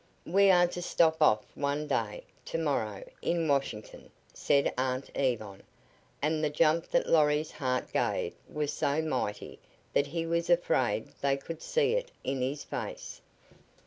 "We are to stop off one day, to morrow, in Washington," said Aunt Yvonne, and the jump that Lorry's heart gave was so mighty that he was afraid they could see it in his face.